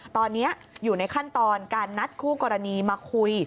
ตอนนี้อยู่ในขั้นตอนการนัดคู่กรณีมาคุย